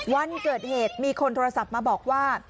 วันเกิดเหตุมีคนโทรศัพท์มาบอกว่า